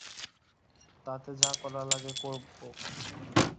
তাতে যা করা লাগে করবো।